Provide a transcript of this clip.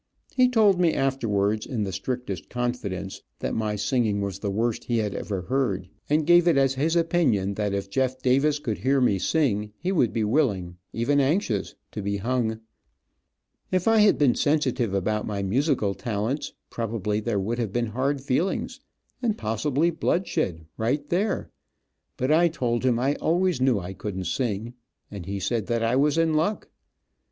He told me, afterwards, in the strictest confidence, that my singing was the worst he ever heard, and gave it as his opinion that if Jeff Davis could hear me sing he would be willing, even anxious, to be hung. If I had been sensitive about my musical talents, probably there would have been hard feelings, and possibly bloodshed, right there, but I told him I always knew I couldn't sing, and he said that I was in luck.